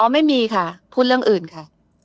ไม่มีค่ะพูดเรื่องอื่นค่ะ